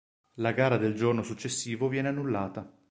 La gara del giorno successivo viene annullata.